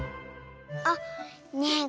あっねえ